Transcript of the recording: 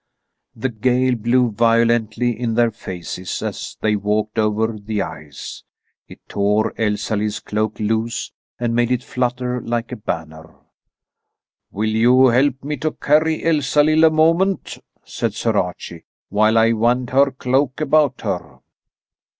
The gale blew violently in their faces as they walked over the ice. It tore Elsalill's cloak loose and made it flutter like a banner. "Will you help me to carry Elsalill a moment," said Sir Archie, "while I wind her cloak about her?"